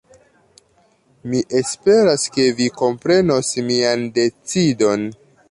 Mi esperas ke vi komprenos mian decidon.